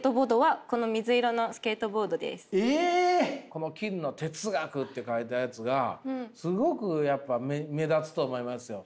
この金の「哲学」って書いたやつがすごくやっぱ目立つと思いますよ。